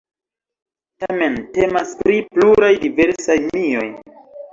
Tamen temas pri pluraj diversaj mioj.